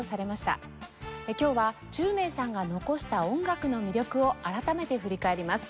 今日は宙明さんが残した音楽の魅力を改めて振り返ります。